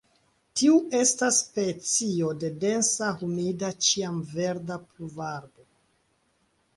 Tiu estas specio de densa humida ĉiamverda pluvarbaro.